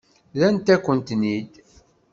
Rrant-ak-ten-id.